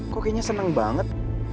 kok kayaknya seneng banget